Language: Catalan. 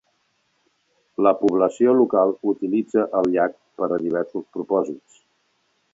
La població local utilitza el llac per a diversos propòsits.